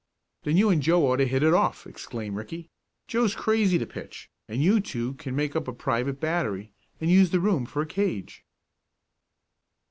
"Then you and Joe ought to hit it off!" exclaimed Ricky. "Joe's crazy to pitch, and you two can make up a private battery, and use the room for a cage."